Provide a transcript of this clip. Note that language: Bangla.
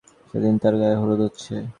সেদিন তার গায়ে হলুদ হচ্ছে।